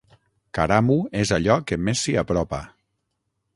Karamu és allò que més s'hi apropa.